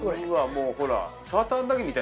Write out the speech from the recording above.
もうほら。